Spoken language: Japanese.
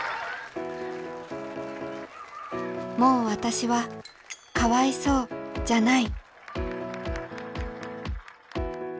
もう私はかわいそうじゃない。